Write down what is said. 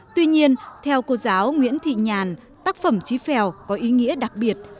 tuy nhiên theo cô giáo nguyễn thị nhàn tác phẩm trí phèo có ý nghĩa đặc biệt